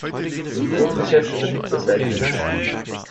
Das Brutgeschäft übernimmt das Weibchen allein.